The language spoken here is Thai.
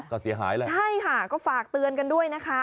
ก็เสียหายเลย